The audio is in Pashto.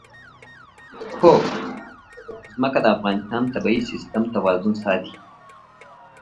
ځمکه د افغانستان د طبعي سیسټم توازن ساتي.